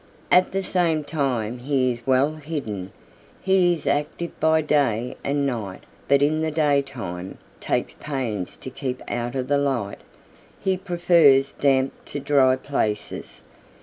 At the same time he is well hidden. He is active by day and night, but in the daytime takes pains to keep out of the light. He prefers damp to dry places.